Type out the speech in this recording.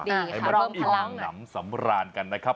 ดีค่ะเพิ่มพลังให้มันอิ่มหลังหนำสำราญกันนะครับ